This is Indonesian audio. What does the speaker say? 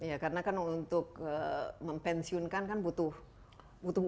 ya karena kan untuk mempensiunkan kan butuh uang ya